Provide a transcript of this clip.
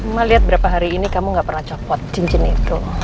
mama lihat berapa hari ini kamu gak pernah copot cincin itu